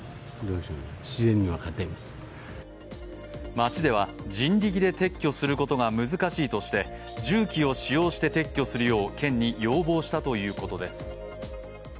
町では人力で撤去することが難しいとして重機を使用して撤去するよう県に要望したということです。